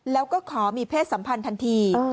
แล้วก็ขอมีเพศสัมพันธ์ทันที